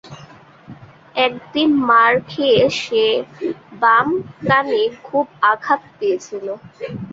একদিন মার খেয়ে সে বাম কানে খুব আঘাত পেয়েছিল।